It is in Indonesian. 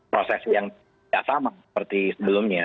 proses yang tidak sama seperti sebelumnya